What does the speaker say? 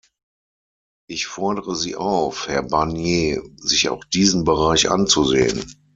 Ich fordere Sie auf, Herr Barnier, sich auch diesen Bereich anzusehen.